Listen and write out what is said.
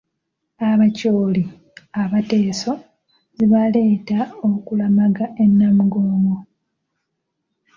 "Abacholi, Abateeso zibaleeta okulamaga e Namugongo."